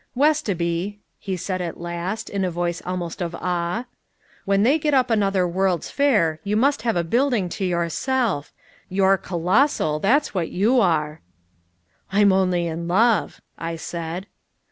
"Westoby," he said at last, in a voice almost of awe, "when they get up another world's fair you must have a building to yourself. You're colossal, that's what you are!" "I'm only in love," I said.